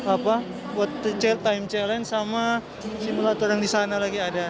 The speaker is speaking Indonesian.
apa buat to chair time challenge sama simulator yang di sana lagi ada